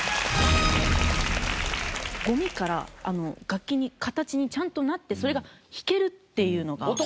ゴミから楽器に形にちゃんとなってそれが弾けるっていうのが。